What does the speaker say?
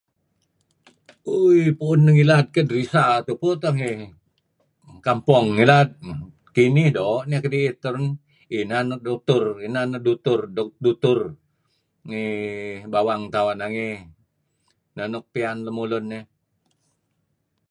Ooi pu'un neh ngilad keh, Dresser tupu teh inan ngi kampong ngilad, kinih doo' nieh kedi'it terun, inan neh dutur, inan neh dutur ngi bawang tauh nangey. Neh nuk piyan lemulun eh.